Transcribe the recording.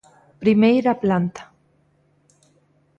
Primeira planta.